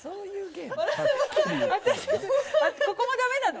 ここもダメなの？